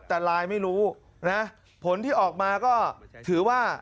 แต่ไลน์ไม่รู้นะผลที่ออกมาก็ถือว่า